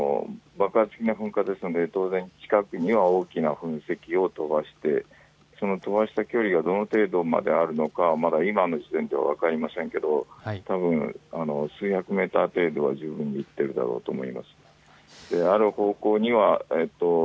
爆発的なものですので当然、近くに大きな噴石を飛ばしてその飛ばした距離がどの程度まであるのか今の時点では分かりませんが数百メートル程度はあるかと思います。